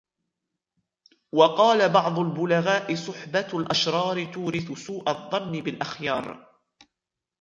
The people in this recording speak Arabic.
وَقَالَ بَعْضُ الْبُلَغَاءِ صُحْبَةُ الْأَشْرَارِ تُورِثُ سُوءَ الظَّنِّ بِالْأَخْيَارِ